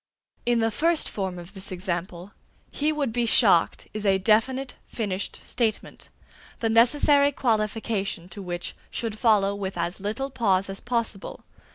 In the first form of this example, "he would be shocked" is a definite, finished statement, the necessary qualification to which should follow with as little pause as possible.